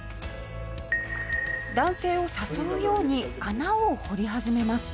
男性を誘うように穴を掘り始めます。